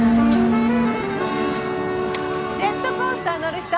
ジェットコースター乗る人？